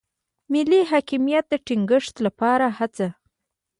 ملي حاکمیت د ټینګښت لپاره هڅه.